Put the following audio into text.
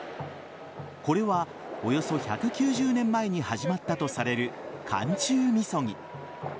これは、およそ１９０年前に始まったとされる寒中みそぎ。